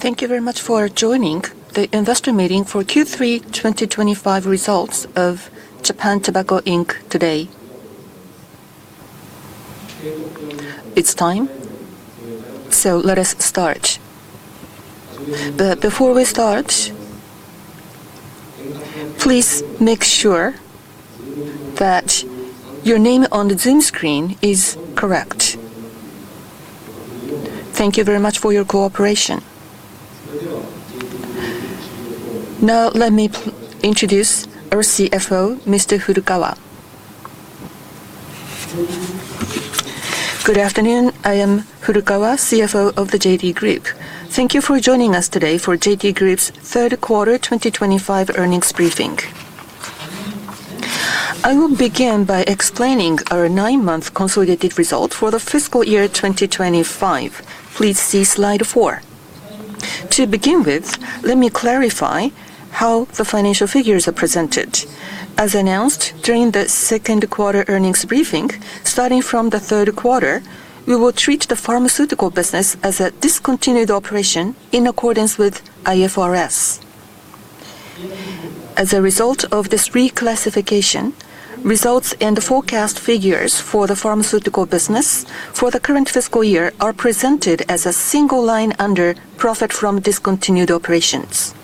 Thank you very much for joining the investor meeting for Q3 2025 results of Japan Tobacco Inc. today. It's time, so let us start. Before we start, please make sure that your name on the Zoom screen is correct. Thank you very much for your cooperation. Now, let me introduce our CFO, Mr. Furukawa. Good afternoon. I am Furukawa, CFO of JT Group. Thank you for joining us today for JT Group's third quarter 2025 earnings briefing. I will begin by explaining our nine-month consolidated result for the fiscal year 2025. Please see slide four. To begin with, let me clarify how the financial figures are presented. As announced during the second quarter earnings briefing, starting from the third quarter, we will treat the pharmaceutical business as a discontinued operation in accordance with IFRS. As a result of this reclassification, results and forecast figures for the pharmaceutical business for the current fiscal year are presented as a single line under profit from discontinued operations.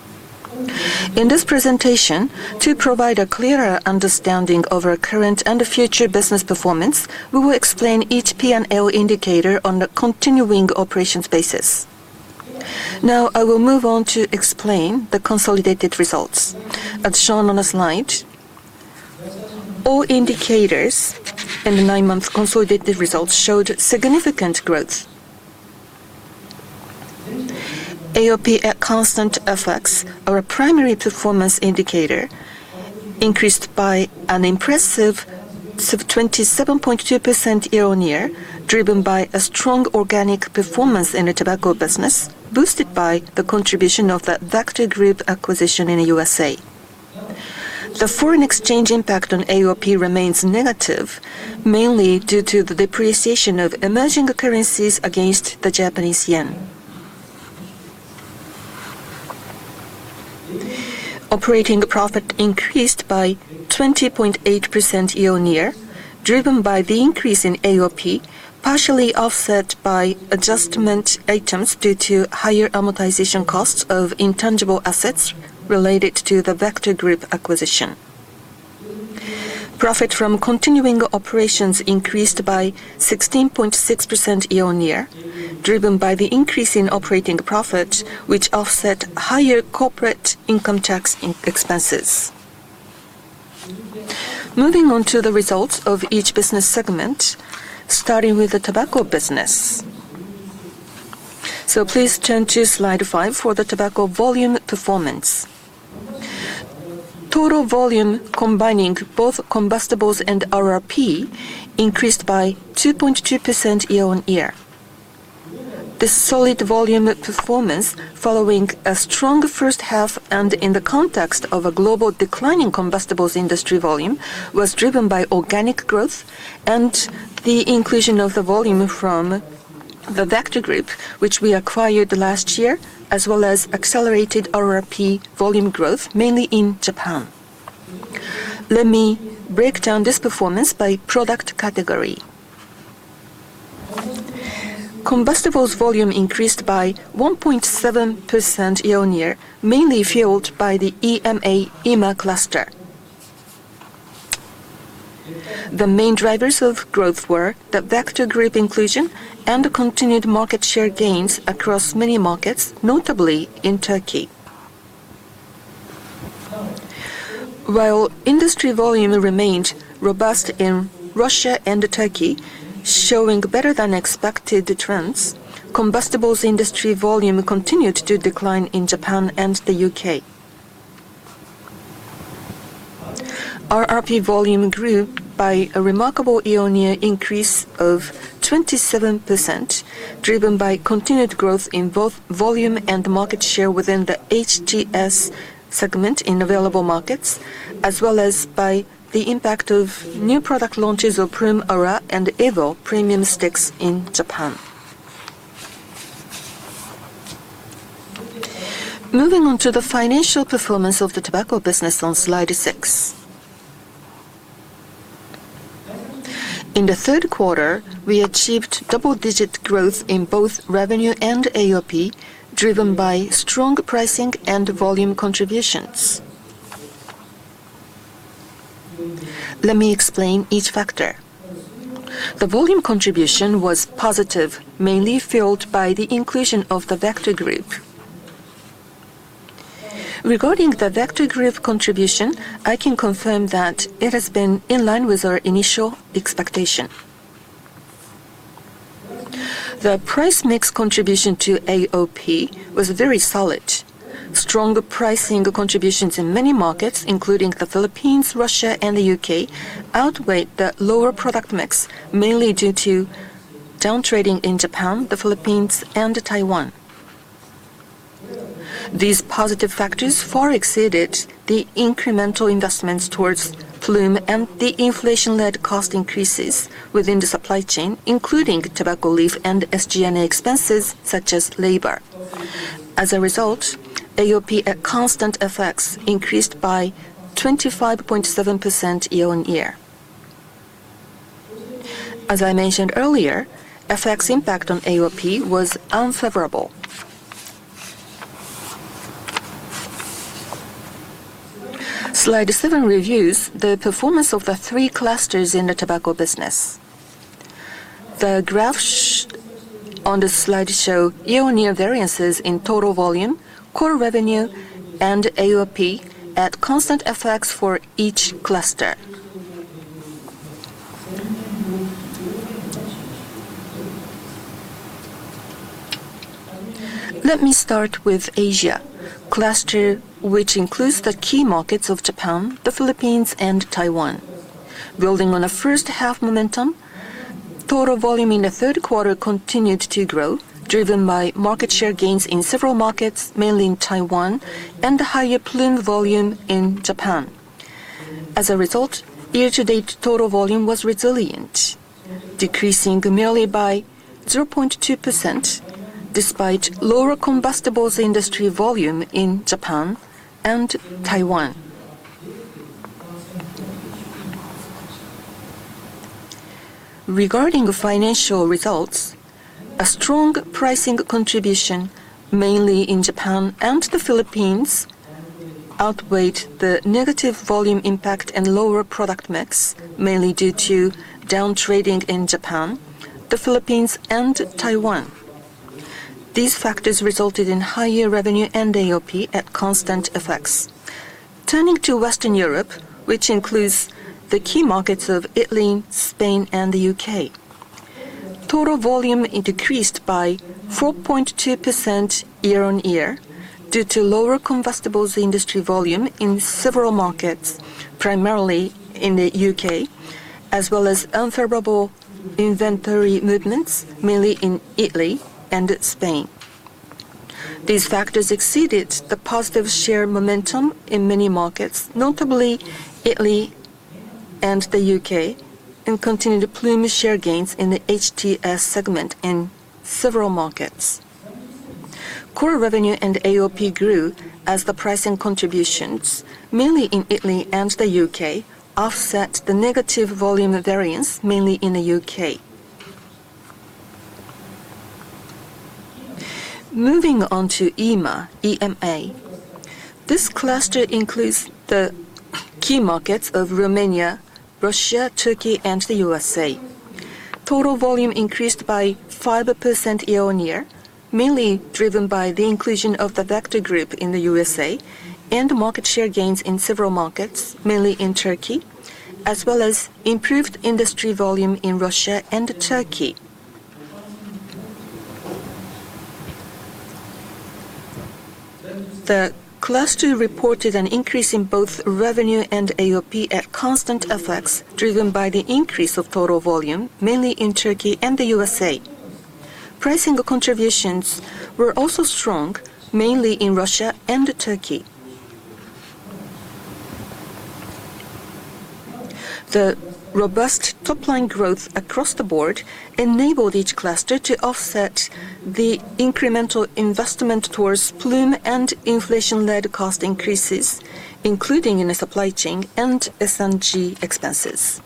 In this presentation, to provide a clearer understanding of our current and future business performance, we will explain each P&L indicator on a continuing operations basis. Now, I will move on to explain the consolidated results. As shown on the slide, all indicators in the nine-month consolidated results showed significant growth. AOP at constant effects, our primary performance indicator, increased by an impressive 27.2% year-on-year, driven by a strong organic performance in the tobacco business, boosted by the contribution of the Vector Group acquisition in the U.S.A. The foreign exchange impact on AOP remains negative, mainly due to the depreciation of emerging currencies against the Japanese yen. Operating profit increased by 20.8% year-on-year, driven by the increase in AOP, partially offset by adjustment items due to higher amortization costs of intangible assets related to the Vector Group acquisition. Profit from continuing operations increased by 16.6% year-on-year, driven by the increase in operating profit, which offset higher corporate income tax expenses. Moving on to the results of each business segment, starting with the tobacco business. Please turn to slide five for the tobacco volume performance. Total volume, combining both combustibles and RRP, increased by 2.2% year-on-year. This solid volume performance, following a strong first half and in the context of a global declining combustibles industry volume, was driven by organic growth and the inclusion of the volume from the Vector Group, which we acquired last year, as well as accelerated RRP volume growth, mainly in Japan. Let me break down this performance by product category. Combustibles volume increased by 1.7% year-on-year, mainly fueled by the EMA cluster. The main drivers of growth were the Vector Group inclusion and continued market share gains across many markets, notably in Turkey. While industry volume remained robust in Russia and Turkey, showing better-than-expected trends, combustibles industry volume continued to decline in Japan and the U.K. RRP volume grew by a remarkable year-on-year increase of 27%, driven by continued growth in both volume and market share within the HTS segment in available markets, as well as by the impact of new product launches of Ploom AURA and EVO Premium Sticks in Japan. Moving on to the financial performance of the tobacco business on slide six. In the third quarter, we achieved double-digit growth in both revenue and AOP, driven by strong pricing and volume contributions. Let me explain each factor. The volume contribution was positive, mainly fueled by the inclusion of the Vector Group. Regarding the Vector Group contribution, I can confirm that it has been in line with our initial expectation. The price mix contribution to AOP was very solid. Strong pricing contributions in many markets, including the Philippines, Russia, and the U.K., outweighed the lower product mix, mainly due to downtrading in Japan, the Philippines, and Taiwan. These positive factors far exceeded the incremental investments towards Ploom and the inflation-led cost increases within the supply chain, including tobacco leaf and SG&A expenses such as labor. As a result, AOP at constant effects increased by 25.7% year-on-year. As I mentioned earlier, effects impact on AOP was unfavorable. Slide seven reviews the performance of the three clusters in the tobacco business. The graphs on the slide show year-on-year variances in total volume, core revenue, and AOP at constant effects for each cluster. Let me start with Asia cluster, which includes the key markets of Japan, the Philippines, and Taiwan. Building on a first-half momentum, total volume in the third quarter continued to grow, driven by market share gains in several markets, mainly in Taiwan, and the higher Ploom volume in Japan. As a result, year-to-date total volume was resilient, decreasing merely by 0.2% despite lower combustibles industry volume in Japan and Taiwan. Regarding financial results, a strong pricing contribution, mainly in Japan and the Philippines, outweighed the negative volume impact and lower product mix, mainly due to downtrending in Japan, the Philippines, and Taiwan. These factors resulted in higher revenue and AOP at constant effects. Turning to Western Europe, which includes the key markets of Italy, Spain, and the U.K., total volume decreased by 4.2% year-on-year due to lower combustibles industry volume in several markets, primarily in the U.K., as well as unfavorable inventory movements, mainly in Italy and Spain. These factors exceeded the positive share momentum in many markets, notably Italy and the U.K., and continued Ploom share gains in the HTS segment in several markets. Core revenue and AOP grew as the pricing contributions, mainly in Italy and the U.K., offset the negative volume variance, mainly in the U.K. Moving on to EMA. This cluster includes the key markets of Romania, Russia, Turkey, and the U.S.A. Total volume increased by 5% year-on-year, mainly driven by the inclusion of the Vector Group in the U.S.A. and market share gains in several markets, mainly in Turkey, as well as improved industry volume in Russia and Turkey. The cluster reported an increase in both revenue and AOP at constant effects, driven by the increase of total volume, mainly in Turkey and the U.S.A. Pricing contributions were also strong, mainly in Russia and Turkey. The robust top-line growth across the board enabled each cluster to offset the incremental investment towards Ploom and inflation-led cost increases, including in the supply chain and S&G expenses.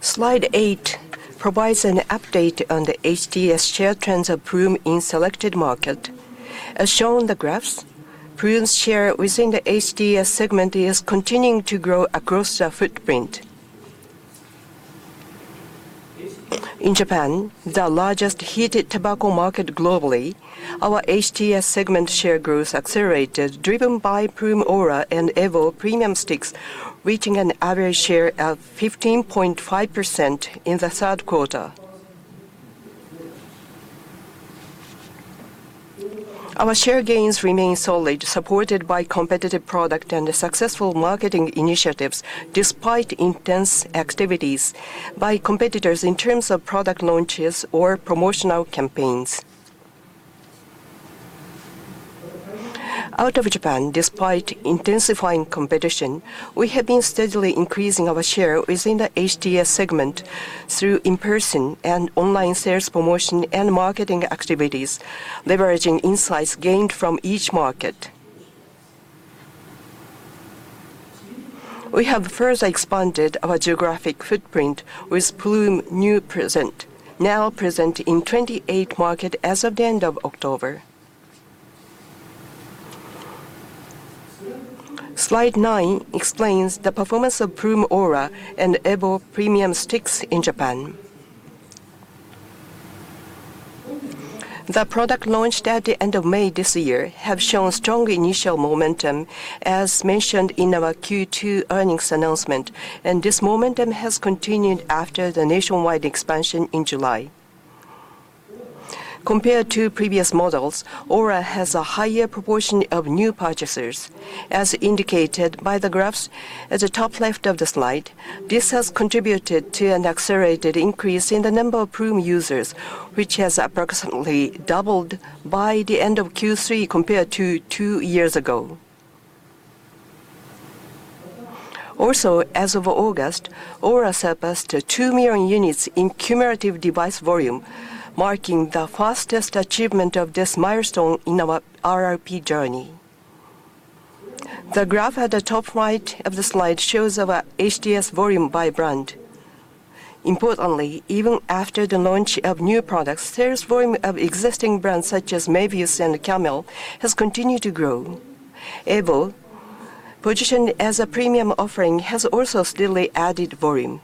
Slide eight provides an update on the HTS share trends of Ploom in selected markets. As shown in the graphs, Ploom share within the HTS segment is continuing to grow across the footprint. In Japan, the largest heated tobacco market globally, our HTS segment share growth accelerated, driven by Ploom AURA and EVO Premium Sticks, reaching an average share of 15.5% in the third quarter. Our share gains remain solid, supported by competitive product and successful marketing initiatives, despite intense activities by competitors in terms of product launches or promotional campaigns. Out of Japan, despite intensifying competition, we have been steadily increasing our share within the HTS segment through in-person and online sales promotion and marketing activities, leveraging insights gained from each market. We have further expanded our geographic footprint with Ploom, now present in 28 markets as of the end of October. Slide nine explains the performance of Ploom AURA and EVO Premium Sticks in Japan. The product launched at the end of May this year has shown strong initial momentum, as mentioned in our Q2 earnings announcement, and this momentum has continued after the nationwide expansion in July. Compared to previous models, AURA has a higher proportion of new purchasers, as indicated by the graphs at the top left of the slide. This has contributed to an accelerated increase in the number of Ploom users, which has approximately doubled by the end of Q3 compared to two years ago. Also, as of August, AURA surpassed 2 million units in cumulative device volume, marking the fastest achievement of this milestone in our RRP journey. The graph at the top right of the slide shows our HTS volume by brand. Importantly, even after the launch of new products, sales volume of existing brands such as Mevius and Camel has continued to grow. EVO, positioned as a premium offering, has also steadily added volume.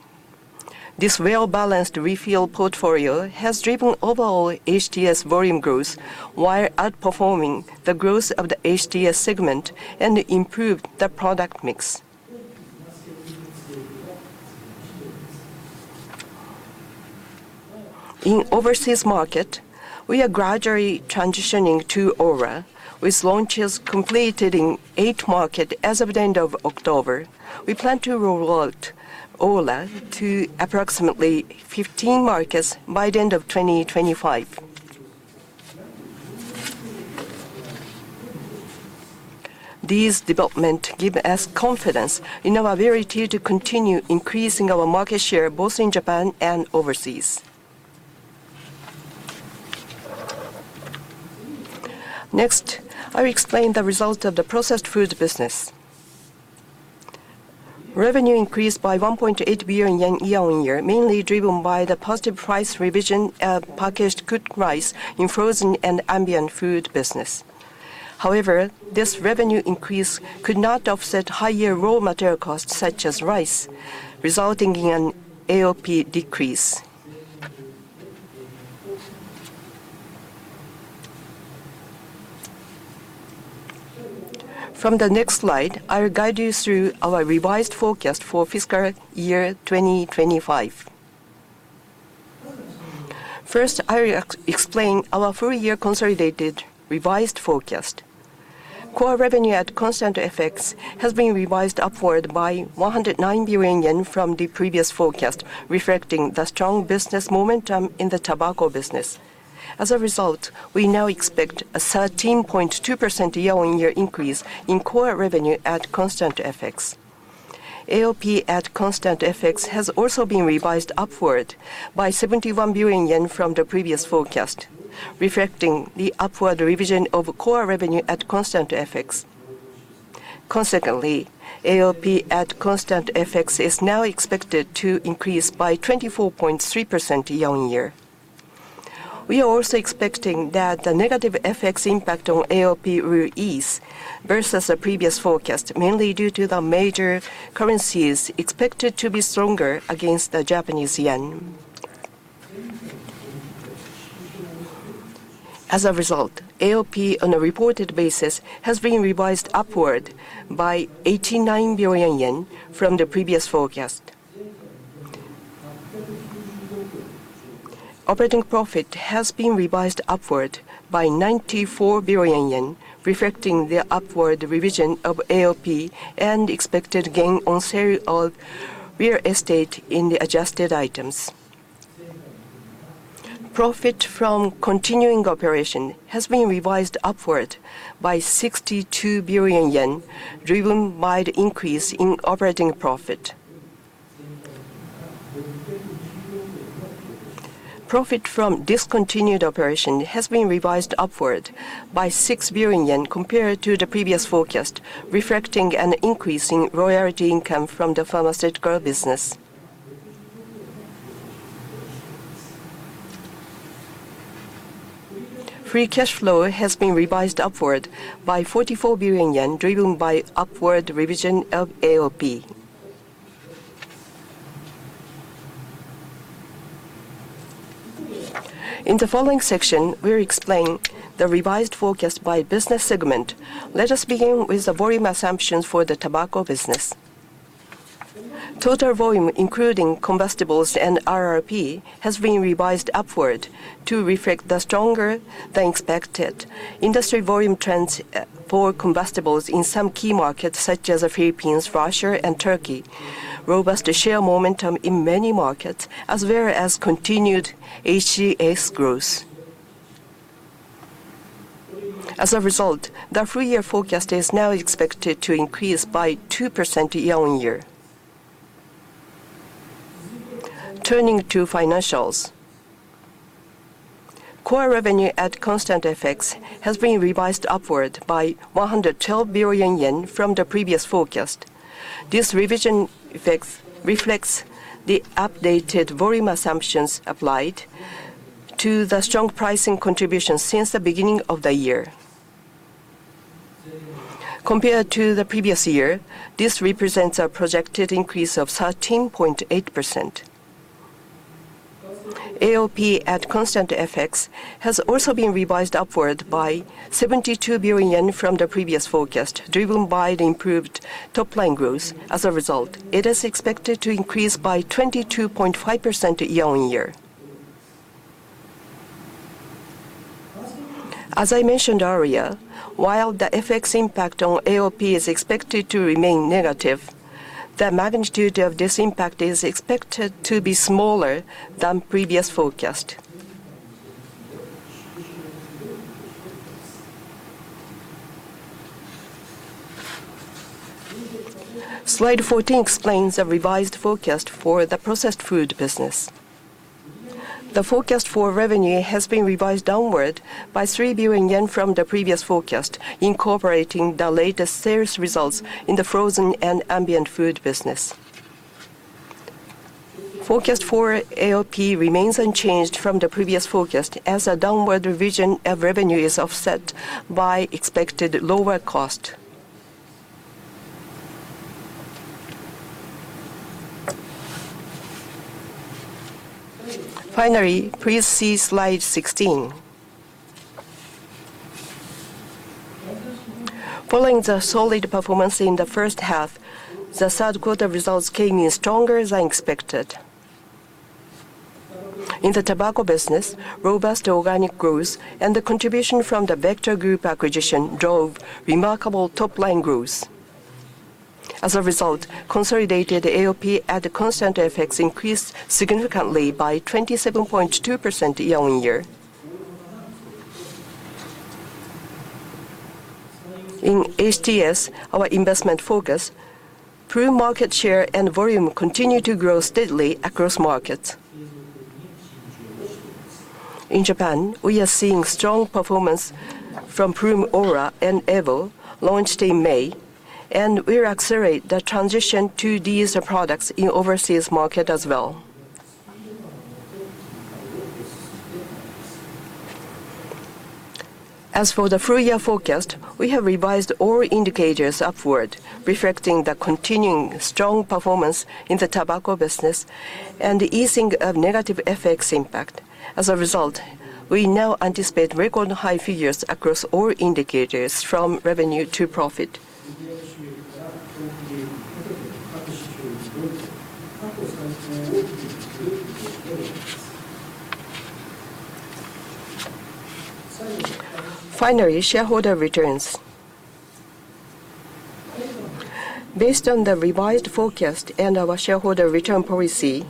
This well-balanced refill portfolio has driven overall HTS volume growth while outperforming the growth of the HTS segment and improved the product mix. In overseas markets, we are gradually transitioning to AURA, with launches completed in eight markets as of the end of October. We plan to roll out AURA to approximately 15 markets by the end of 2025. These developments give us confidence in our ability to continue increasing our market share both in Japan and overseas. Next, I will explain the results of the processed food business. Revenue increased by 1.8 billion yen year-on-year, mainly driven by the positive price revision packaged goods price in frozen and ambient food business. However, this revenue increase could not offset higher raw material costs such as rice, resulting in an AOP decrease. From the next slide, I will guide you through our revised forecast for fiscal year 2025. First, I will explain our four-year consolidated revised forecast. Core revenue at constant effects has been revised upward by 109 billion yen from the previous forecast, reflecting the strong business momentum in the tobacco business. As a result, we now expect a 13.2% year-on-year increase in core revenue at constant effects. AOP at constant effects has also been revised upward by 71 billion yen from the previous forecast, reflecting the upward revision of core revenue at constant effects. Consequently, AOP at constant effects is now expected to increase by 24.3% year-on-year. We are also expecting that the negative effects impact on AOP will ease versus the previous forecast, mainly due to the major currencies expected to be stronger against the Japanese Yen. As a result, AOP on a reported basis has been revised upward by 89 billion yen from the previous forecast. Operating profit has been revised upward by 94 billion yen, reflecting the upward revision of AOP and expected gain on sale of real estate in the adjusted items. Profit from continuing operation has been revised upward by 62 billion yen, driven by the increase in operating profit. Profit from discontinued operation has been revised upward by 6 billion yen compared to the previous forecast, reflecting an increase in royalty income from the pharmaceutical business. Free cash flow has been revised upward by 44 billion yen, driven by upward revision of AOP. In the following section, we will explain the revised forecast by business segment. Let us begin with the volume assumptions for the tobacco business. Total volume, including combustibles and RRP, has been revised upward to reflect the stronger-than-expected industry volume trends for combustibles in some key markets, such as the Philippines, Russia, and Turkey. Robust share momentum in many markets, as well as continued HTS growth. As a result, the three-year forecast is now expected to increase by 2% year-on-year. Turning to financials, core revenue at constant effects has been revised upward by 112 billion yen from the previous forecast. This revision effect reflects the updated volume assumptions applied to the strong pricing contribution since the beginning of the year. Compared to the previous year, this represents a projected increase of 13.8%. AOP at constant effects has also been revised upward by 72 billion yen from the previous forecast, driven by the improved top-line growth. As a result, it is expected to increase by 22.5% year-on-year. As I mentioned earlier, while the effects impact on AOP is expected to remain negative, the magnitude of this impact is expected to be smaller than the previous forecast. Slide 14 explains a revised forecast for the processed food business. The forecast for revenue has been revised downward by 3 billion yen from the previous forecast, incorporating the latest sales results in the frozen and ambient food business. Forecast for AOP remains unchanged from the previous forecast, as a downward revision of revenue is offset by expected lower cost. Finally, please see slide 16. Following the solid performance in the first half, the third quarter results came in stronger than expected. In the tobacco business, robust organic growth and the contribution from the Vector Group acquisition drove remarkable top-line growth. As a result, consolidated AOP at constant effects increased significantly by 27.2% year-on-year. In HTS, our investment focus, market share and volume continue to grow steadily across markets. In Japan, we are seeing strong performance from Ploom AURA and EVO, launched in May, and we accelerate the transition to these products in overseas markets as well. As for the three-year forecast, we have revised all indicators upward, reflecting the continuing strong performance in the tobacco business and the easing of negative effects impact. As a result, we now anticipate record high figures across all indicators, from revenue to profit. Finally, shareholder returns. Based on the revised forecast and our shareholder return policy,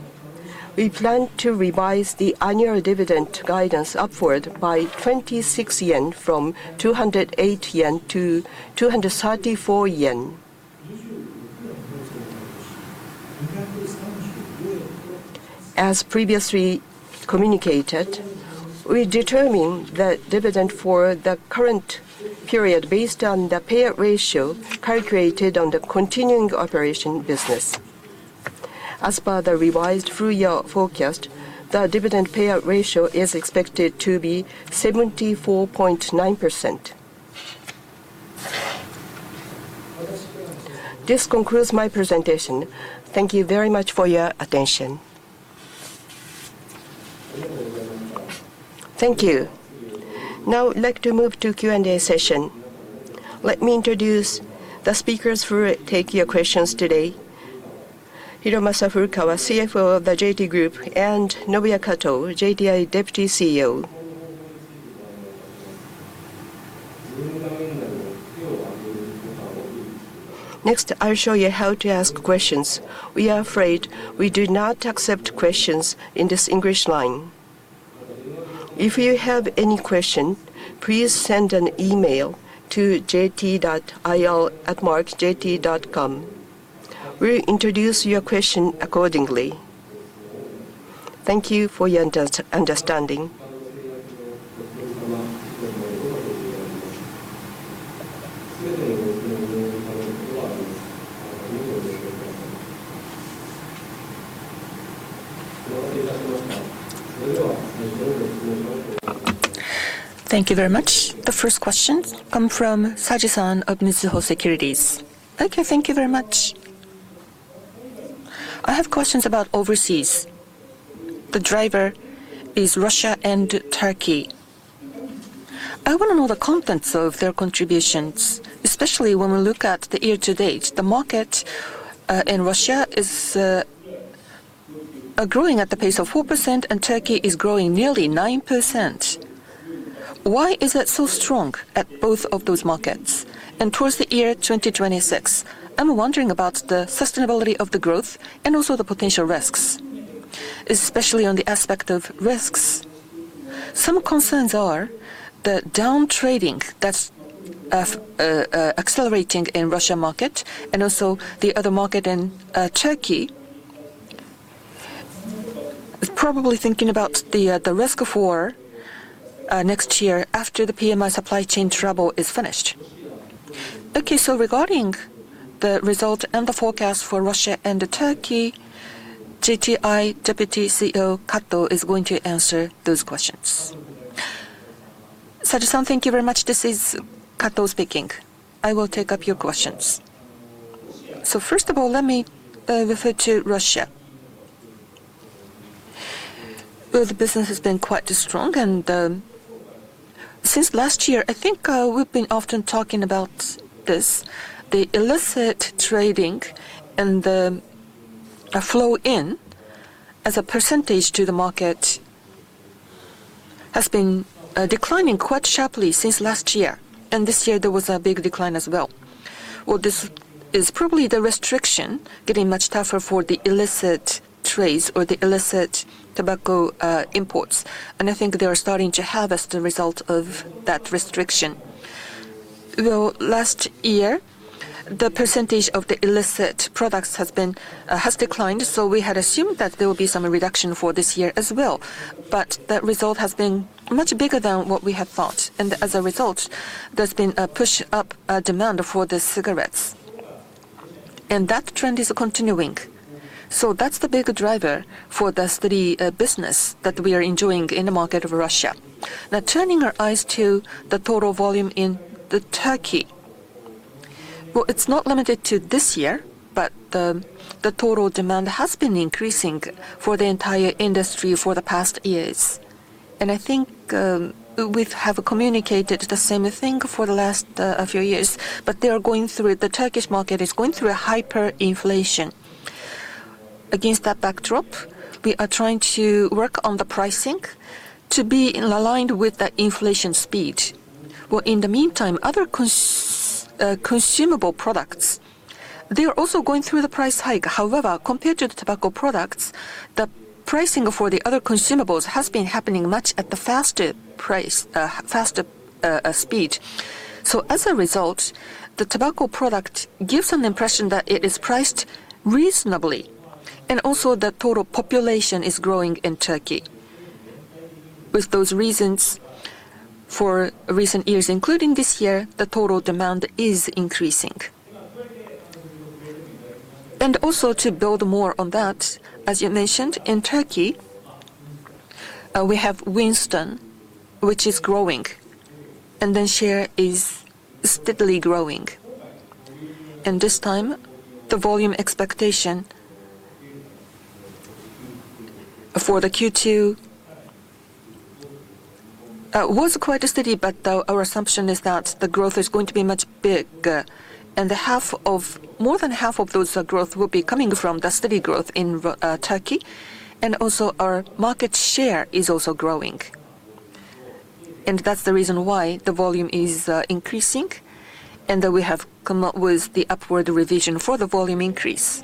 we plan to revise the annual dividend guidance upward by 26 yen, from 208-234 yen. As previously communicated, we determine the dividend for the current period based on the payout ratio calculated on the continuing operation business. As per the revised three-year forecast, the dividend payout ratio is expected to be 74.9%. This concludes my presentation. Thank you very much for your attention. Thank you. Now, I'd like to move to Q&A session. Let me introduce the speakers who will take your questions today: Hiromasa Furukawa, CFO of JT Group, and Nobuya Kato, JTI Deputy CEO. Next, I'll show you how to ask questions. We are afraid we do not accept questions in this English line. If you have any question, please send an email to jt.il@jt.com. We'll introduce your question accordingly. Thank you for your understanding. We will take answers to all of your questions. Thank you very much. We have received your questions. Please answer the questions from the speaker. Thank you very much. The first questions come from Saji-san of Mizuho Securities. Thank you very much. I have questions about overseas. The driver is Russia and Turkey. I want to know the contents of their contributions, especially when we look at the year to date. The market in Russia is growing at the pace of 4%, and Turkey is growing nearly 9%. Why is it so strong at both of those markets? Towards the year 2026, I'm wondering about the sustainability of the growth and also the potential risks, especially on the aspect of risks. Some concerns are the downtrending that's accelerating in the Russian market and also the other market in Turkey. Probably thinking about the risk of war next year after the PMI supply chain trouble is finished. Regarding the result and the forecast for Russia and Turkey. JTI Deputy CEO Kato is going to answer those questions. Saji-san, thank you very much. This is Kato speaking. I will take up your questions. First of all, let me refer to Russia, where the business has been quite strong. Since last year, I think we've been often talking about this. The illicit trading and the flow in as a percentage to the market has been declining quite sharply since last year. This year, there was a big decline as well. This is probably the restriction getting much tougher for the illicit trades or the illicit tobacco imports. I think they are starting to harvest the result of that restriction. Last year, the percentage of the illicit products has declined. We had assumed that there would be some reduction for this year as well. That result has been much bigger than what we had thought. As a result, there's been a push-up demand for the cigarettes. That trend is continuing. That's the big driver for the steady business that we are enjoying in the market of Russia. Now, turning our eyes to the total volume in Turkey. It's not limited to this year, but the total demand has been increasing for the entire industry for the past years. I think we have communicated the same thing for the last few years, but the Turkish market is going through a hyperinflation. Against that backdrop, we are trying to work on the pricing to be aligned with the inflation speed. In the meantime, other consumable products, they are also going through the price hike. However, compared to the tobacco products, the pricing for the other consumables has been happening much at a faster speed. As a result, the tobacco product gives an impression that it is priced reasonably. Also, the total population is growing in Turkey. With those reasons, for recent years, including this year, the total demand is increasing. To build more on that, as you mentioned, in Turkey, we have Winston, which is growing, and then share is steadily growing. This time, the volume expectation for Q2 was quite steady, but our assumption is that the growth is going to be much bigger. More than half of that growth will be coming from the steady growth in Turkey. Our market share is also growing, and that's the reason why the volume is increasing. We have come up with the upward revision for the volume increase.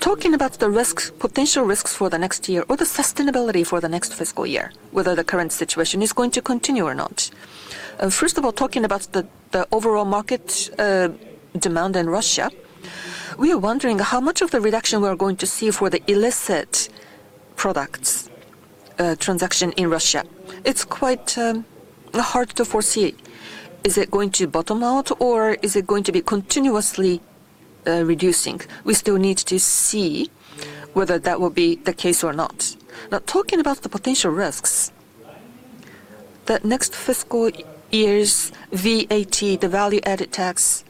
Talking about the potential risks for next year or the sustainability for the next fiscal year, whether the current situation is going to continue or not. First of all, talking about the overall market demand in Russia, we are wondering how much of the reduction we are going to see for the illicit products transaction in Russia. It's quite hard to foresee. Is it going to bottom out or is it going to be continuously reducing? We still need to see whether that will be the case or not. Now, talking about the potential risks, the next fiscal year's VAT, the value-added tax,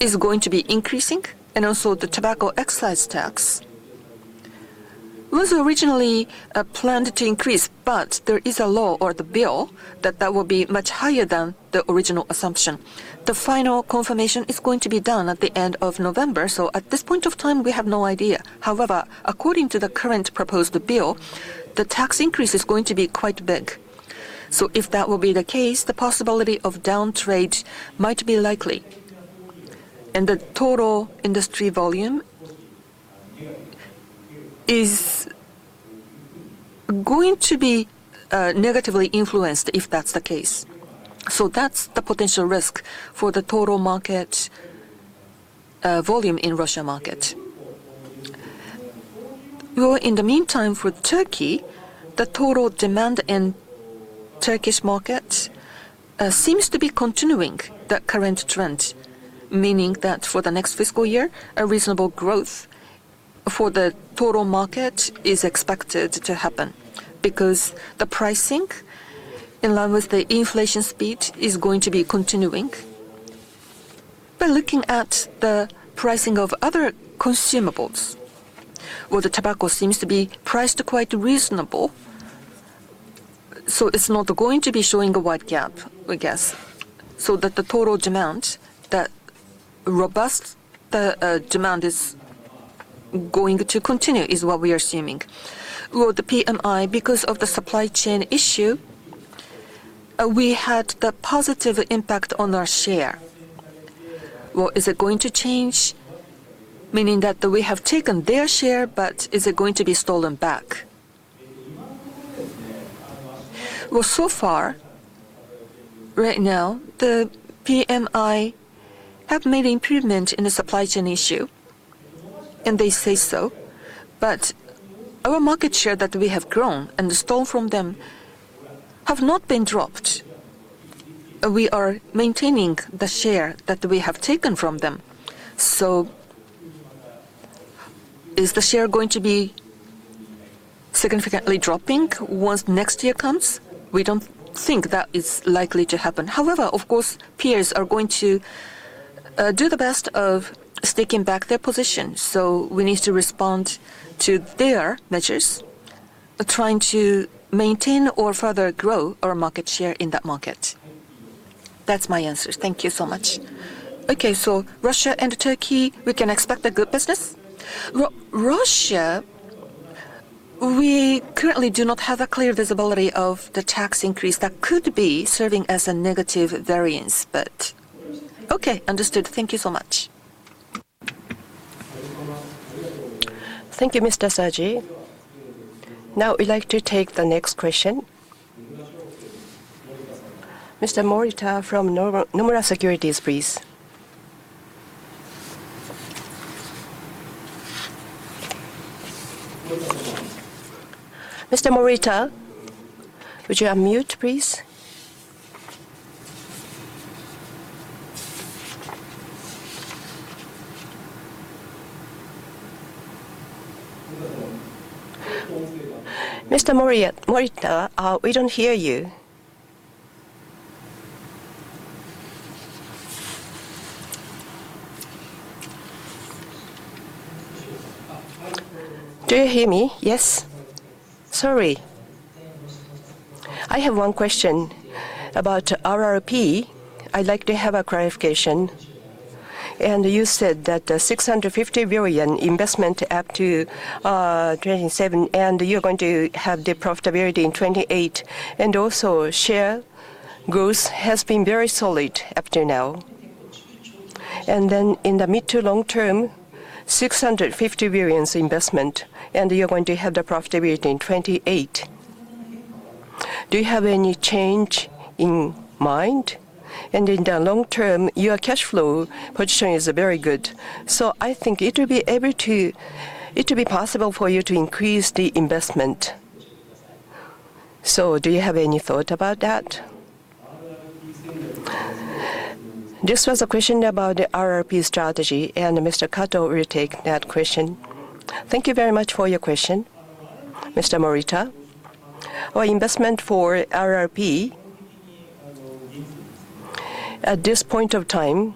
is going to be increasing. Also, the tobacco excise tax was originally planned to increase, but there is a law or the bill that that will be much higher than the original assumption. The final confirmation is going to be done at the end of November. At this point of time, we have no idea. However, according to the current proposed bill, the tax increase is going to be quite big. If that will be the case, the possibility of downtrend might be likely, and the total industry volume is going to be negatively influenced if that's the case. That's the potential risk for the total market volume in the Russian market. In the meantime, for Turkey, the total demand in the Turkish market seems to be continuing the current trend, meaning that for the next fiscal year, a reasonable growth for the total market is expected to happen because the pricing in line with the inflation speed is going to be continuing. Looking at the pricing of other consumables, the tobacco seems to be priced quite reasonable. It's not going to be showing a wide gap, I guess. The total demand, that robust demand, is going to continue, is what we are assuming. The PMI, because of the supply chain issue, we had the positive impact on our share. Is it going to change, meaning that we have taken their share, but is it going to be stolen back? So far, right now, the PMI have made improvements in the supply chain issue, and they say so. Our market share that we have grown and stolen from them has not been dropped. We are maintaining the share that we have taken from them. Is the share going to be significantly dropping once next year comes? We don't think that is likely to happen. Of course, peers are going to do the best of sticking back their position. We need to respond to their measures, trying to maintain or further grow our market share in that market. That's my answer. Thank you so much. Russia and Turkey, we can expect a good business. Russia, we currently do not have a clear visibility of the tax increase that could be serving as a negative variance, but okay, understood. Thank you so much. Thank you, Mr. Saji. Now, we'd like to take the next question. Mr. Morita from Nomura Securities, please. Mr. Morita, would you unmute, please? Mr. Morita, we don't hear you. Do you hear me? Yes. Sorry. I have one question about RRP. I'd like to have a clarification. You said that the 650 billion investment up to 2027, and you're going to have the profitability in 2028. Also, share growth has been very solid up to now. In the mid to long term, 650 billion investment, and you're going to have the profitability in 2028. Do you have any change in mind? In the long term, your cash flow position is very good. I think it will be possible for you to increase the investment. Do you have any thought about that? This was a question about the RRP strategy, and Mr. Kato will take that question. Thank you very much for your question, Mr. Morita. Our investment for RRP, at this point of time,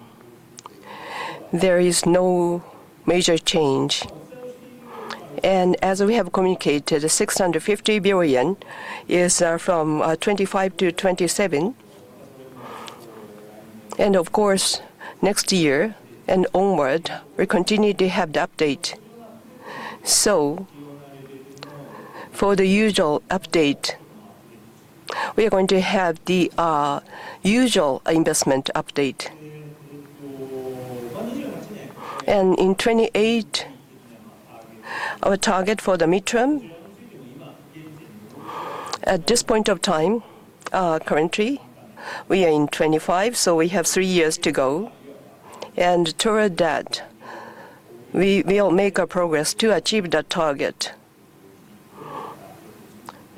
there is no major change. As we have communicated, 650 billion is from 2025 to 2027. Next year and onward, we continue to have the update. For the usual update, we are going to have the usual investment update. In 2028, our target for the midterm, at this point of time, currently, we are in 2025, so we have three years to go. Toward that, we will make our progress to achieve that target.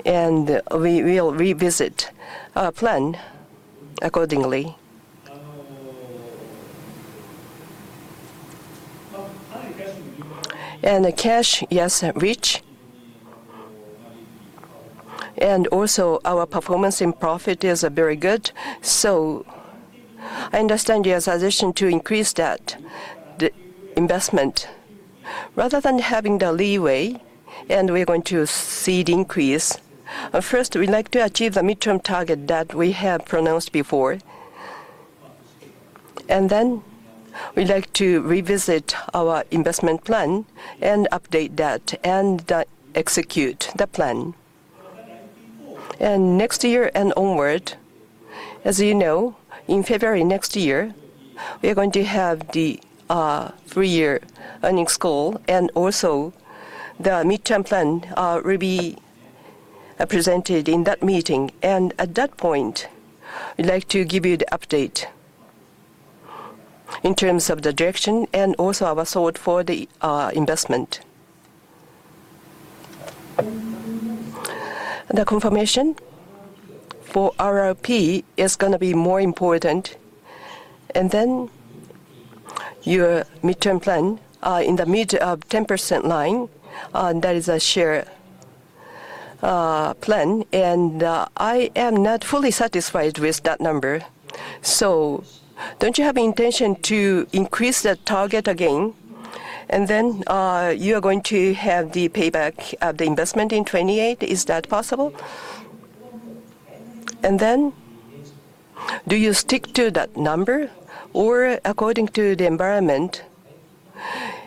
We will revisit our plan accordingly. Cash, yes, rich. Also, our performance in profit is very good. I understand your decision to increase that investment. Rather than having the leeway, and we're going to see the increase, first, we'd like to achieve the midterm target that we have pronounced before. Then we'd like to revisit our investment plan and update that and execute the plan. Next year and onward, as you know, in February next year, we are going to have the three-year earnings call, and also the midterm plan will be presented in that meeting. At that point, we'd like to give you the update in terms of the direction and also our thought for the investment. The confirmation for RRP is going to be more important. Your midterm plan in the mid of 10% line, that is a share plan. I am not fully satisfied with that number. Don't you have the intention to increase the target again? You are going to have the payback of the investment in 2028. Is that possible? Do you stick to that number, or according to the environment,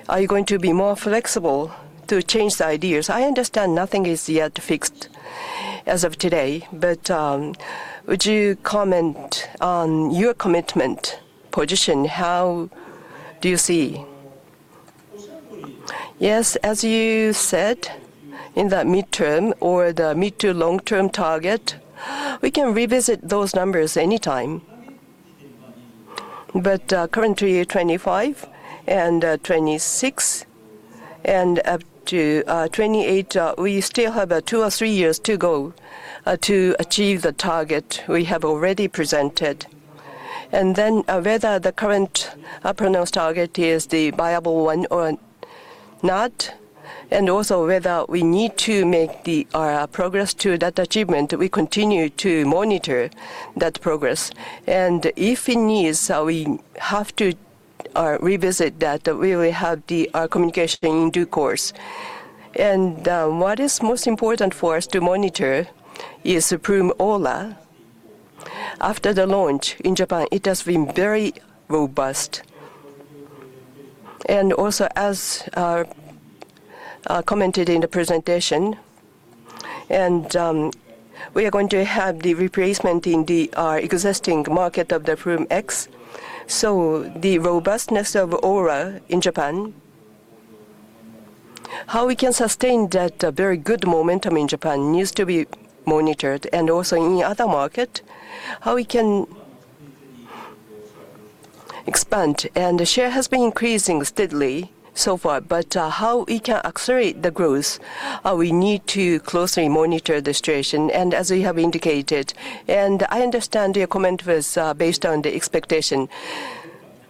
are you going to be more flexible to change the ideas? I understand nothing is yet fixed as of today, but would you comment on your commitment position? How do you see? Yes, as you said, in the midterm or the mid to long-term target, we can revisit those numbers anytime. Currently, 2025 and 2026 and up to 2028, we still have two or three years to go to achieve the target we have already presented. Whether the current pronounced target is the viable one or not, and also whether we need to make our progress to that achievement, we continue to monitor that progress. If in need we have to revisit that, we will have our communication in due course. What is most important for us to monitor is Ploom AURA. After the launch in Japan, it has been very robust. Also, as commented in the presentation, we are going to have the replacement in the existing market of the Ploom X. The robustness of AURA in Japan, how we can sustain that very good momentum in Japan needs to be monitored. Also in other markets, how we can expand. The share has been increasing steadily so far, but how we can accelerate the growth, we need to closely monitor the situation. As you have indicated, and I understand your comment was based on the expectation,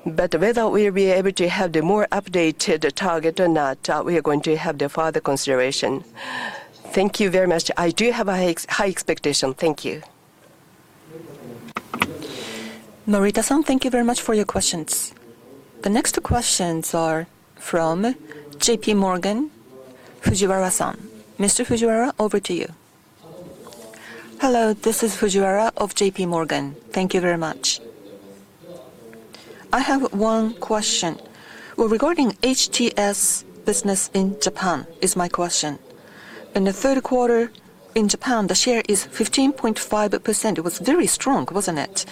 but whether we'll be able to have the more updated target or not, we are going to have the further consideration. Thank you very much. I do have a high expectation. Thank you. Norita-san, thank you very much for your questions. The next two questions are from JPMorgan, Fujiwara-san. Mr. Fujiwara, over to you. Hello, this is Fujiwara of JPMorgan. Thank you very much. I have one question. Regarding HTS business in Japan is my question. In the third quarter in Japan, the share is 15.5%. It was very strong, wasn't it?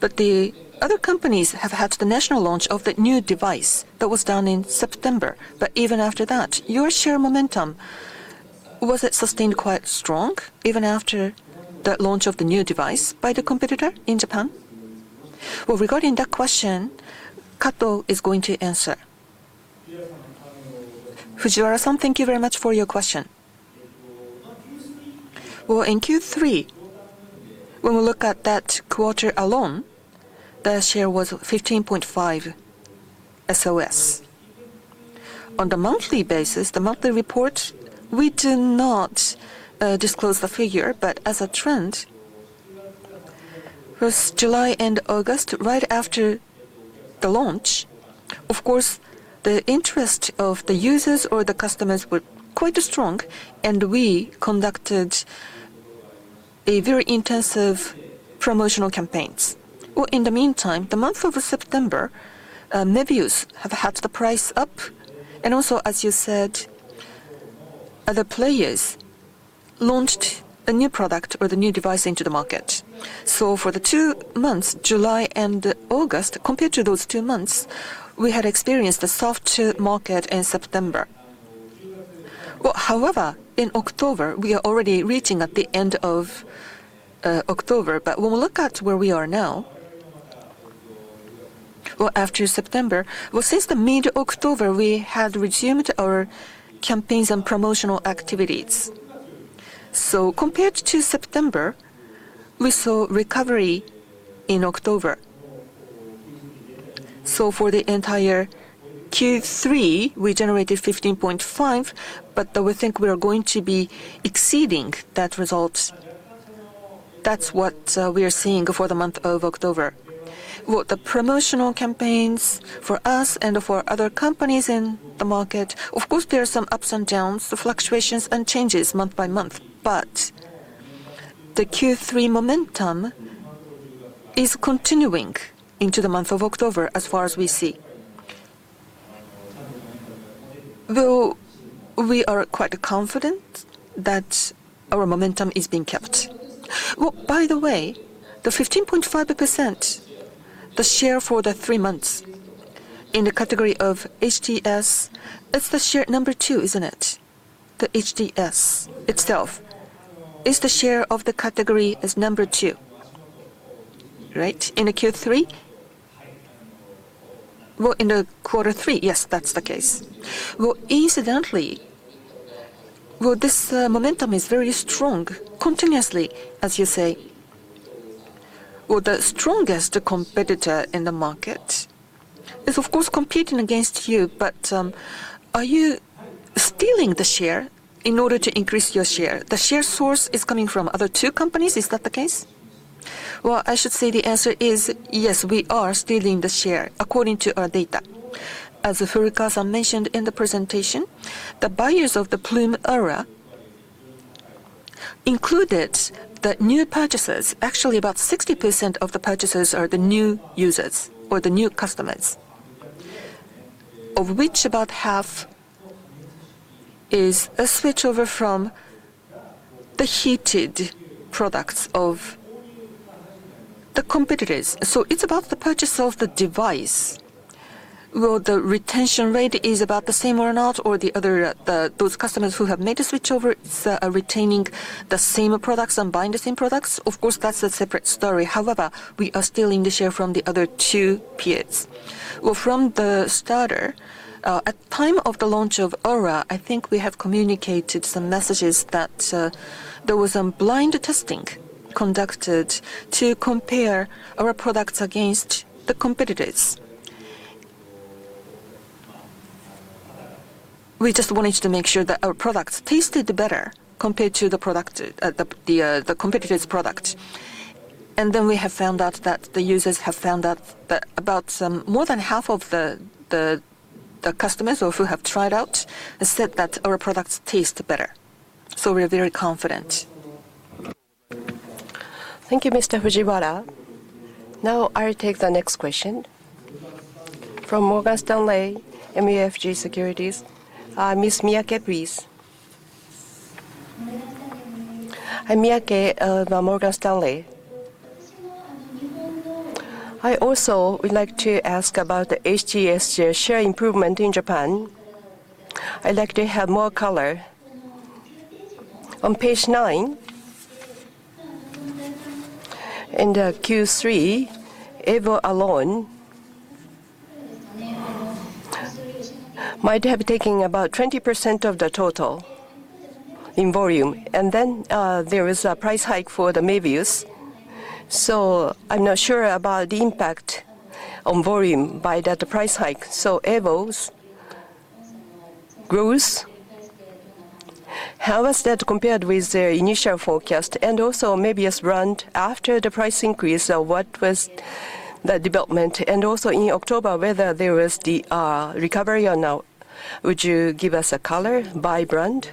The other companies have had the national launch of the new device that was done in September. Even after that, your share momentum, was it sustained quite strong even after the launch of the new device by the competitor in Japan? Regarding that question, Kato is going to answer. Fujiwara-san, thank you very much for your question. In Q3, when we look at that quarter alone, the share was 15.5%. On the monthly basis, the monthly report, we do not disclose the figure, but as a trend, it was July and August right after the launch. Of course, the interest of the users or the customers was quite strong, and we conducted very intensive promotional campaigns. In the meantime, the month of September, Mevius has had the price up. Also, as you said, other players launched a new product or the new device into the market. For the two months, July and August, compared to those two months, we had experienced a soft market in September. However, in October, we are already reaching at the end of October. When we look at where we are now, after September, since the mid-October, we had resumed our campaigns and promotional activities. Compared to September, we saw recovery in October. For the entire Q3, we generated 15.5%, but we think we are going to be exceeding that result. That's what we are seeing for the month of October. The promotional campaigns for us and for other companies in the market, of course, there are some ups and downs, fluctuations, and changes month by month. The Q3 momentum is continuing into the month of October, as far as we see. We are quite confident that our momentum is being kept. By the way, the 15.5%, the share for the three months in the category of HTS, it's the share number two, isn't it? The HTS itself is the share of the category as number two, right? In the Q3? In the quarter three, yes, that's the case. Incidentally, this momentum is very strong continuously, as you say. The strongest competitor in the market is, of course, competing against you, but are you stealing the share in order to increase your share? The share source is coming from other two companies. Is that the case? I should say the answer is yes, we are stealing the share according to our data. As Furukawa mentioned in the presentation, the buyers of the Ploom AURA included the new purchasers. Actually, about 60% of the purchasers are the new users or the new customers, of which about half is a switchover from the heated products of the competitors. It's about the purchase of the device. The retention rate is about the same or not, or the other, those customers who have made a switchover, it's retaining the same products and buying the same products. Of course, that's a separate story. However, we are stealing the share from the other two peers. From the starter, at the time of the launch of AURA, I think we have communicated some messages that there was some blind testing conducted to compare our products against the competitors. We just wanted to make sure that our products tasted better compared to the competitor's product. We have found out that the users have found out that about more than half of the customers who have tried out said that our products taste better. We are very confident. Thank you, Mr. Fujiwara. Now, I take the next question. From Morgan Stanley MUFG Securities. Ms. Miyake, please. Hi, Miyake. Morgan Stanley. I also would like to ask about the HTS share improvement in Japan. I'd like to have more color. On page nine, in Q3, EVO alone might have taken about 20% of the total in volume. There was a price hike for the Mevius. I'm not sure about the impact on volume by that price hike. EVO grows. How was that compared with the initial forecast? Also, Mevius brand, after the price increase, what was the development? In October, whether there was the recovery or not. Would you give us a color by brand?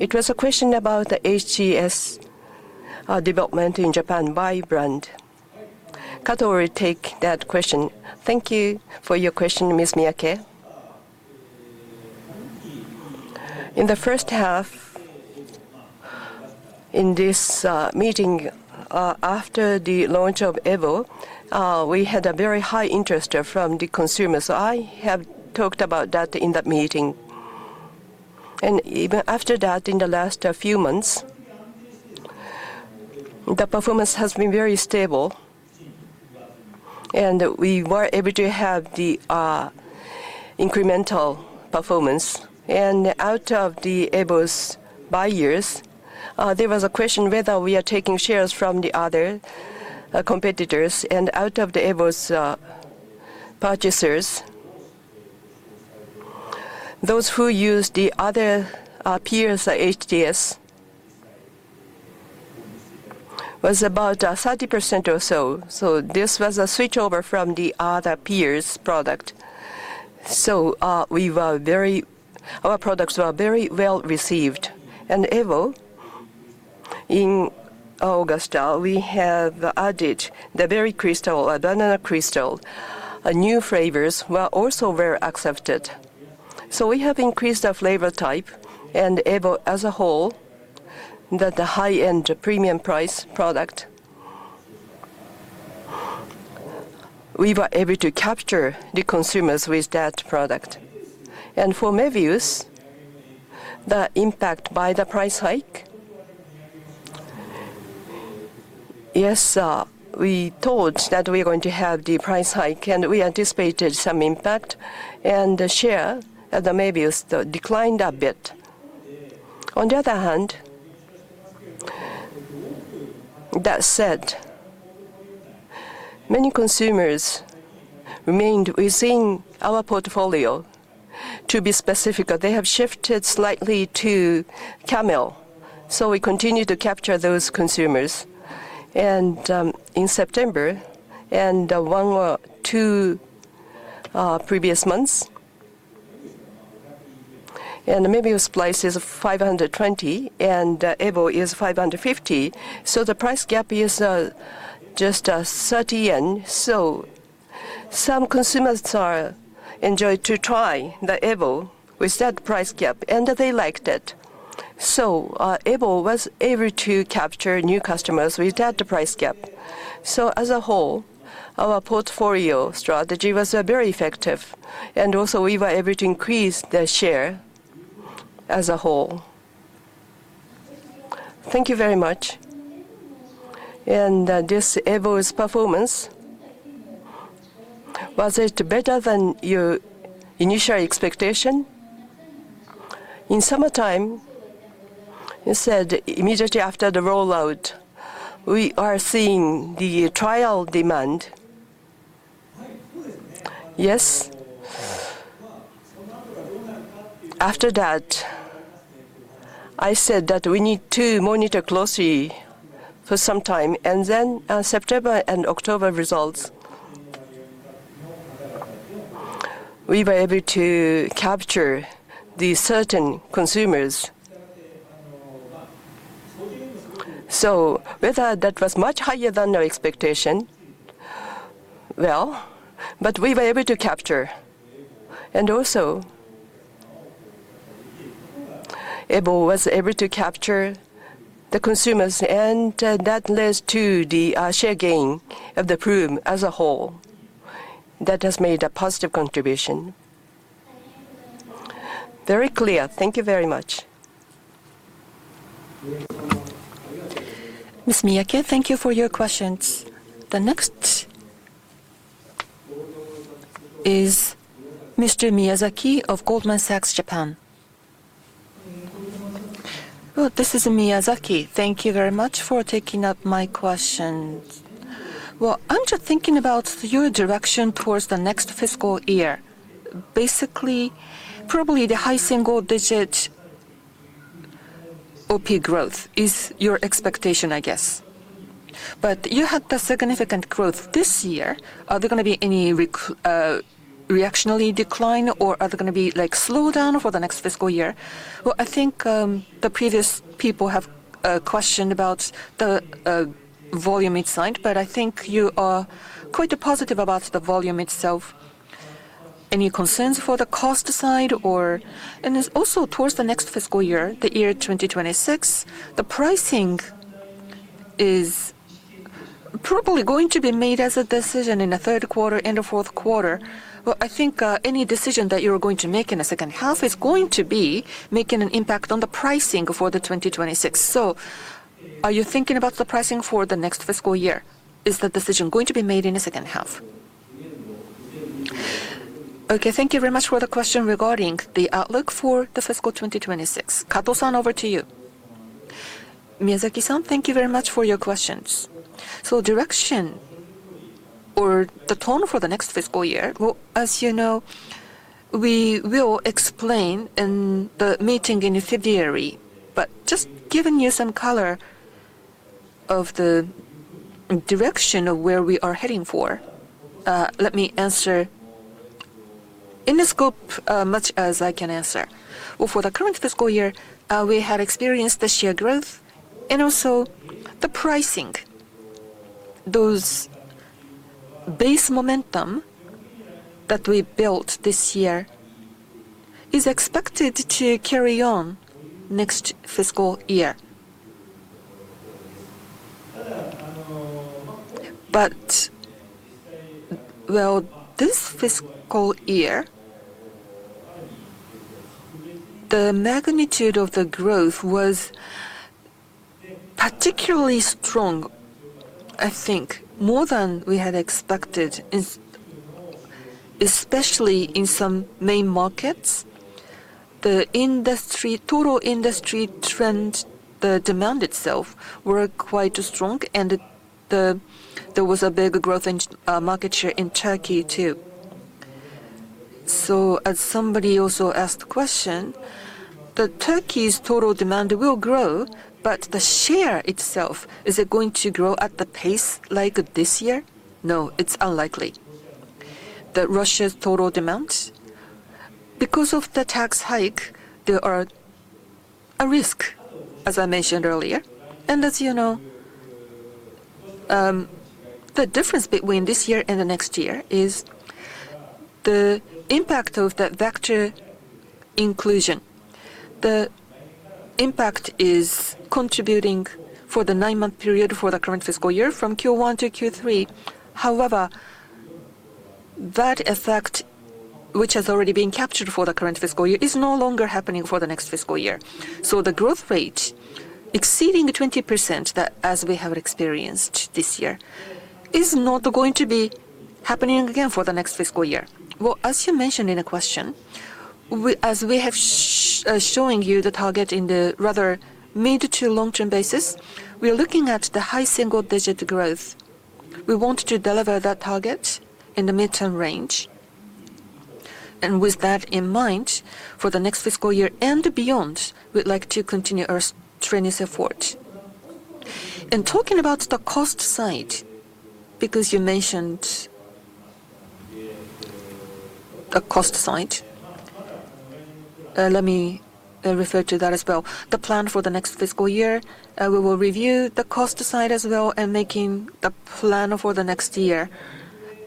It was a question about the HTS development in Japan by brand. Kato will take that question. Thank you for your question, Ms. Miyake. In the first half in this meeting, after the launch of EVO, we had a very high interest from the consumers. I have talked about that in that meeting. Even after that, in the last few months, the performance has been very stable. We were able to have the incremental performance. Out of the EVO's buyers, there was a question whether we are taking shares from the other competitors. Out of the EVO's purchasers, those who used the other peers' HTS was about 30% or so. This was a switchover from the other peers' product. Our products were very well received. In August, we have added the Berry Crystal or Banana Crystal. New flavors were also well accepted. We have increased the flavor type and EVO as a whole, the high-end premium price product. We were able to capture the consumers with that product. For Mevius, the impact by the price hike, yes, we thought that we were going to have the price hike, and we anticipated some impact. The share of the Mevius declined a bit. On the other hand, that said, many consumers remained within our portfolio. To be specific, they have shifted slightly to Camel. We continue to capture those consumers. In September and one or two previous months, Mevius price is 520 and EVO is 550. The price gap is just 30 yen. Some consumers enjoyed to try the EVO with that price gap, and they liked it. EVO was able to capture new customers with that price gap. As a whole, our portfolio strategy was very effective. We were able to increase the share as a whole. Thank you very much. This EVO's performance, was it better than your initial expectation? In summertime, you said immediately after the rollout, we are seeing the trial demand. Yes. After that, I said that we need to monitor closely for some time. In September and October results, we were able to capture certain consumers. Whether that was much higher than our expectation, we were able to capture. Also, EVO was able to capture the consumers, and that led to the share gain of the Ploom as a whole. That has made a positive contribution. Very clear. Thank you very much. Ms. Miyake, thank you for your questions. The next is Mr. Miyazaki of Goldman Sachs Japan. This is Miyazaki. Thank you very much for taking up my question. I'm just thinking about your direction towards the next fiscal year. Basically, probably the high single-digit OP growth is your expectation, I guess. You had the significant growth this year. Are there going to be any reactionary decline, or are there going to be a slowdown for the next fiscal year? I think the previous people have questioned about the volume inside, but I think you are quite positive about the volume itself. Any concerns for the cost side? Also, towards the next fiscal year, the year 2026, the pricing is probably going to be made as a decision in the third quarter and the fourth quarter. I think any decision that you're going to make in the second half is going to be making an impact on the pricing for 2026. Are you thinking about the pricing for the next fiscal year? Is the decision going to be made in the second half? Thank you very much for the question regarding the outlook for fiscal 2026. Kato-san, over to you. Miyazaki-san, thank you very much for your questions. Direction or the tone for the next fiscal year, as you know, we will explain in the meeting in February. Just giving you some color of the direction of where we are heading for, let me answer in the scope as much as I can answer. For the current fiscal year, we had experienced the share growth and also the pricing. Those base momentum that we built this year is expected to carry on next fiscal year. This fiscal year, the magnitude of the growth was particularly strong, I think, more than we had expected, especially in some main markets. The total industry trend, the demand itself, was quite strong, and there was a big growth in market share in Turkey too. As somebody also asked a question, Turkey's total demand will grow, but the share itself, is it going to grow at the pace like this year? No, it's unlikely. Russia's total demand, because of the tax hike, there is a risk, as I mentioned earlier. As you know, the difference between this year and the next year is the impact of the Vector Group inclusion. The impact is contributing for the nine-month period for the current fiscal year from Q1 to Q3. However, that effect, which has already been captured for the current fiscal year, is no longer happening for the next fiscal year. The growth rate exceeding 20%, as we have experienced this year, is not going to be happening again for the next fiscal year. As you mentioned in a question, as we have shown you the target in the rather mid to long-term basis, we are looking at the high single-digit growth. We want to deliver that target in the midterm range. With that in mind, for the next fiscal year and beyond, we'd like to continue our training effort. Talking about the cost side, because you mentioned the cost side, let me refer to that as well. The plan for the next fiscal year, we will review the cost side as well and making the plan for the next year.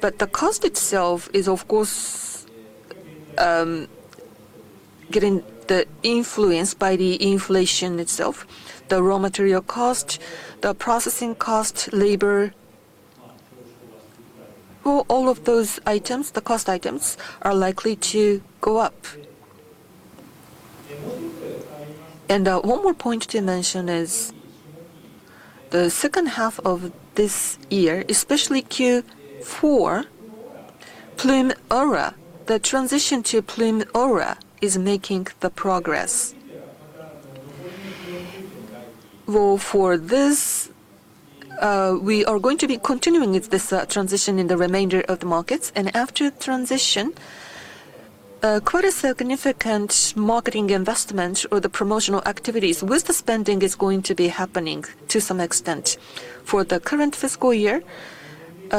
The cost itself is, of course, getting influenced by the inflation itself. The raw material cost, the processing cost, labor, all of those items, the cost items are likely to go up. One more point to mention is the second half of this year, especially Q4, Ploom AURA, the transition to Ploom AURA is making the progress. For this, we are going to be continuing this transition in the remainder of the markets. After the transition, quite a significant marketing investment or the promotional activities with the spending is going to be happening to some extent. For the current fiscal year,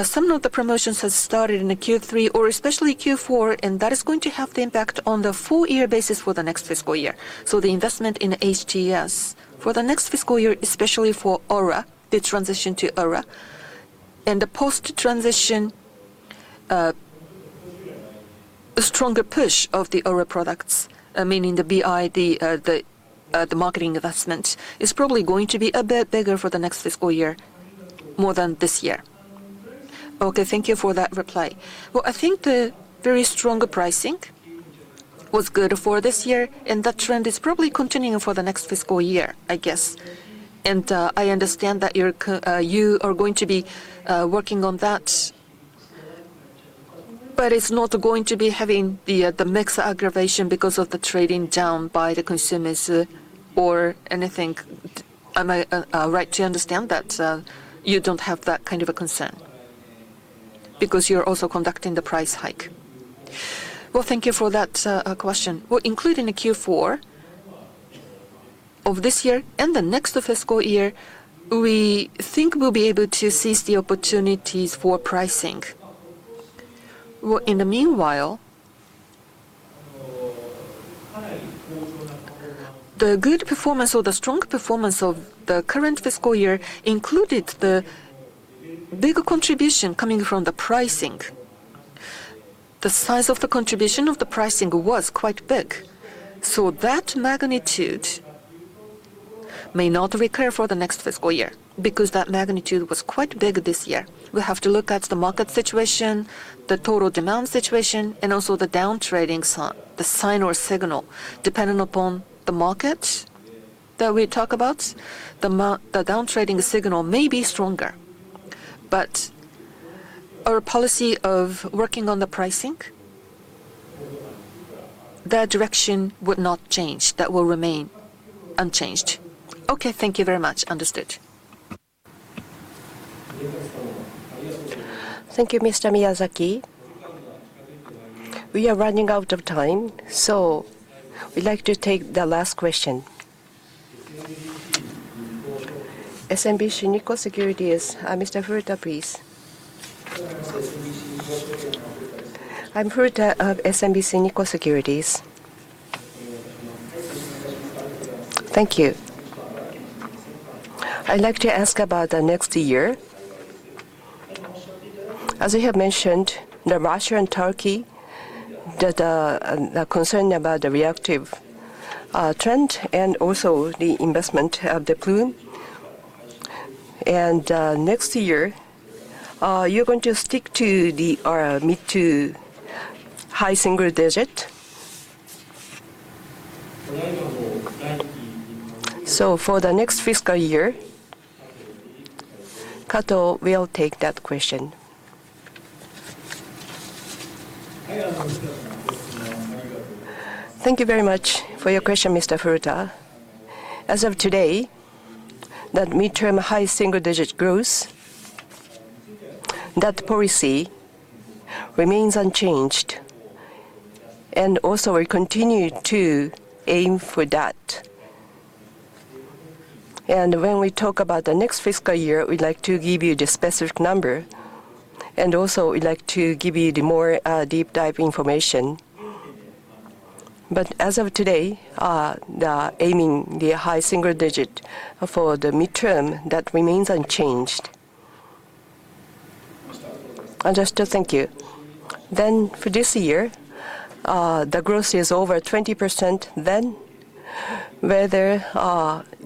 some of the promotions have started in Q3 or especially Q4, and that is going to have the impact on the full-year basis for the next fiscal year. The investment in HTS for the next fiscal year, especially for AURA, the transition to AURA, and the post-transition, a stronger push of the AURA products, meaning the BID, the marketing investment is probably going to be a bit bigger for the next fiscal year, more than this year. Thank you for that reply. I think the very strong pricing was good for this year, and that trend is probably continuing for the next fiscal year, I guess. I understand that you are going to be working on that, but it's not going to be having the mix aggravation because of the trading down by the consumers or anything. Am I right to understand that you don't have that kind of a concern because you're also conducting the price hike? Thank you for that question. Including Q4 of this year and the next fiscal year, we think we'll be able to seize the opportunities for pricing. In the meanwhile, the good performance or the strong performance of the current fiscal year included the big contribution coming from the pricing. The size of the contribution of the pricing was quite big. That magnitude may not recur for the next fiscal year because that magnitude was quite big this year. We have to look at the market situation, the total demand situation, and also the downtrending sign or signal. Depending upon the market that we talk about, the downtrending signal may be stronger. Our policy of working on the pricing, that direction would not change. That will remain unchanged. Thank you very much. Understood. Thank you, Mr. Miyazaki. We are running out of time, so we'd like to take the last question. SMBC Nikko Securities. Mr. Furuta, please. I'm Furuta of SMBC Nikko Securities. Thank you. I'd like to ask about the next year. As you have mentioned, Russia and Turkey, the concern about the reactive trend and also the investment of the Ploom. Next year, you're going to stick to the mid to high single digit. For the next fiscal year, Kato will take that question. Thank you very much for your question, Mr. Furuta. As of today, that mid to high single-digit growth, that policy remains unchanged. We continue to aim for that. When we talk about the next fiscal year, we'd like to give you the specific number. We'd like to give you the more deep dive information. As of today, aiming the high single digit for the mid-term, that remains unchanged. Understood. Thank you. For this year, the growth is over 20%. Whether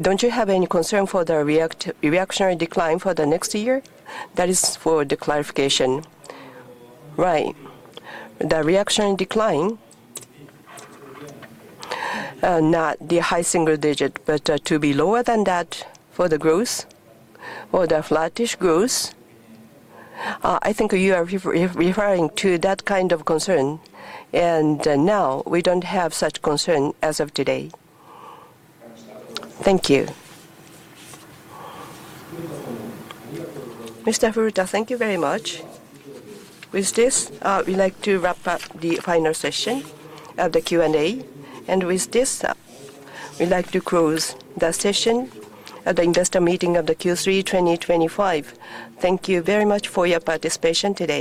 don't you have any concern for the reactionary decline for the next year? That is for the clarification. Right. The reactionary decline, not the high single digit, but to be lower than that for the growth or the flattish growth. I think you are referring to that kind of concern. We don't have such concern as of today. Thank you. Mr. Furuta, thank you very much. With this, we'd like to wrap up the final session of the Q&A. With this, we'd like to close the session of the investor meeting of Q3 2025. Thank you very much for your participation today.